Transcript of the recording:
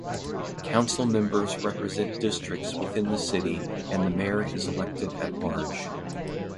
Council members represent districts within the city and the mayor is elected at large.